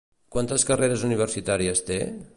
Quantes carreres universitàries té?